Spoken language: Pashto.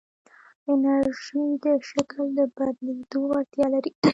انرژی د شکل بدلېدو وړتیا لري.